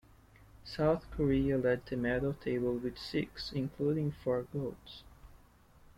South Korea led the medal table with six, including four golds.